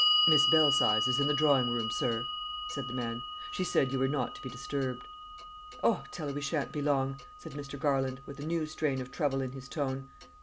"Miss Belsize is in the drawing room, sir," said the man. "She said you were not to be disturbed." "Oh, tell her we shan't be long," said Mr. Garland, with a new strain of trouble in his tone.